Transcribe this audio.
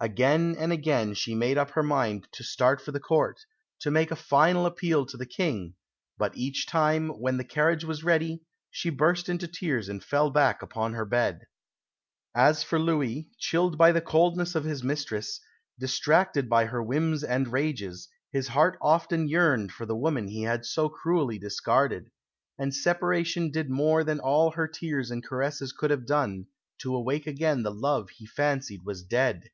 Again and again she made up her mind to start for the Court, to make a final appeal to the King, but each time, when the carriage was ready, she burst into tears and fell back upon her bed." As for Louis, chilled by the coldness of his mistress, distracted by her whims and rages, his heart often yearned for the woman he had so cruelly discarded; and separation did more than all her tears and caresses could have done, to awake again the love he fancied was dead.